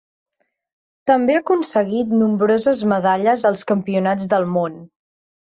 També ha aconseguit nombroses medalles als Campionats del món.